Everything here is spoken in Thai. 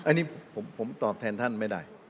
อันนี้ผมตอบแทนท่านไม่ได้